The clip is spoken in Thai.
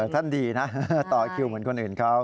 ท่านดีนะต่อคิวเหมือนคนอื่นเขา